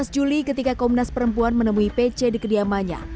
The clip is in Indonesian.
tujuh belas juli ketika komnas perempuan menemui pc di kediamannya